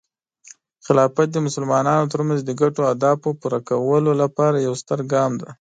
خلافت د مسلمانانو ترمنځ د ګډو اهدافو پوره کولو لپاره یو ستر ګام دی.